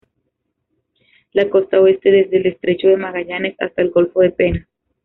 La costa oeste desde el estrecho de Magallanes hasta el golfo de Penas.